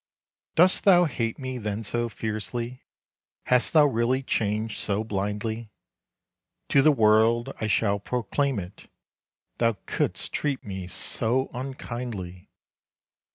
Dost thou hate me then so fiercely, Hast thou really changed so blindly? To the world I shall proclaim it, Thou could'st treat me so unkindly.